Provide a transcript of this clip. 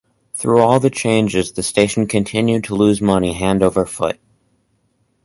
Through all the changes, the station continued to lose money hand over foot.